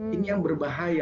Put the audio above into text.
ini yang berbahaya